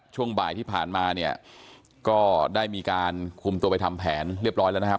ช่วงบ่ายที่ผ่านมาเนี่ยก็ได้มีการคุมตัวไปทำแผนเรียบร้อยแล้วนะครับ